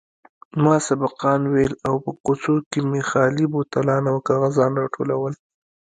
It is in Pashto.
ما سبقان ويل او په کوڅو کښې مې خالي بوتلان او کاغذان راټولول.